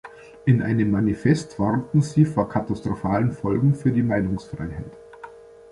In einem Manifest warnten sie vor „katastrophalen Folgen für die Meinungsfreiheit“.